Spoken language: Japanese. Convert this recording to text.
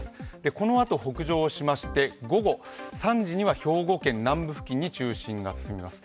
このあと北上しまして、午後３時には兵庫県南部付近に中心が進みます。